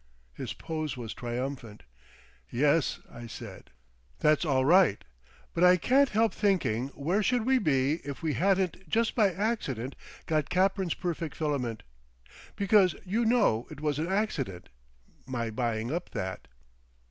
His pose was triumphant. "Yes," I said, "that's all right. But I can't help thinking where should we be if we hadn't just by accident got Capern's Perfect Filament. Because, you know it was an accident—my buying up that."